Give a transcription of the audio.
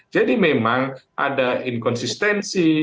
jadi memang ada inkonsistensi